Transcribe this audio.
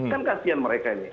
kan kasihan mereka ini